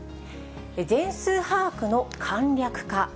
全数把握の簡略化。